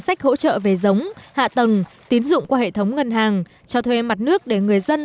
sách hỗ trợ về giống hạ tầng tín dụng qua hệ thống ngân hàng cho thuê mặt nước để người dân